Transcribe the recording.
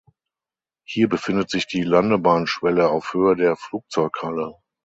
Hier befindet sich die Landebahnschwelle auf Höhe der Flugzeughalle.